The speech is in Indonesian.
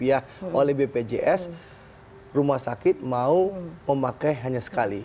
ini bpjs rumah sakit mau memakai hanya sekali